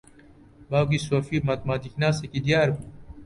باوکی سۆفی ماتماتیکناسێکی دیار بوو.